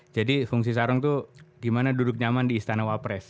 jadi fungsi sarung tuh gimana duduk nyaman di istana wa pres